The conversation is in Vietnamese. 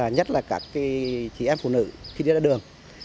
nhất là các chị em phụ nữ khi đi ra đường